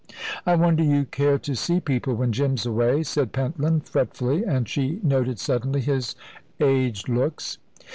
"I wonder you care to see people when Jim's away," said Pentland, fretfully, and she noted suddenly his aged looks.